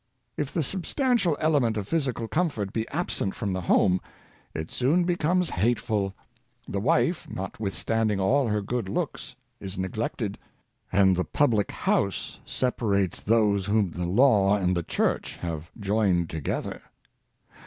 If the substantial element of physi cal comfort be absent from the home, it soon becomes hateful; the wife, notwithstanding all her good looks, is neglected; and the public house separates those whom the law and the church have joined together.